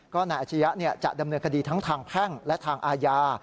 ก็นายอาชียะจะดำเนินคดีทั้งทางแพ่งและทางอาญา